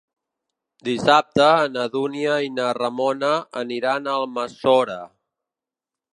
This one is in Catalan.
Dissabte na Dúnia i na Ramona aniran a Almassora.